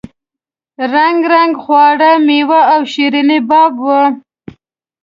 رنګ رنګ خواړه میوې او شیریني باب وو.